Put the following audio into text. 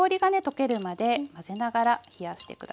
溶けるまで混ぜながら冷やして下さい。